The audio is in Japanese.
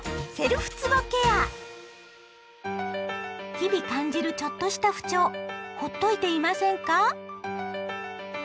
日々感じるちょっとした不調ほっといていませんか？